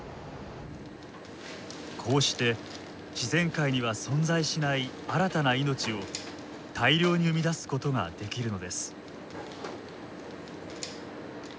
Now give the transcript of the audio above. こうして自然界には存在しない新たな命を大量に生み出すことができるのです。